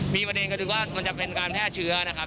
มีประเด็นก็คือว่ามันจะเป็นการแพร่เชื้อนะครับ